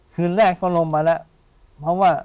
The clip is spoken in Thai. คืนแรกก็ลงมาแล้วเพราะว่า